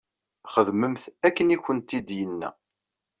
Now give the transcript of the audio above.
Xedmemt akken i kent-d-yenna.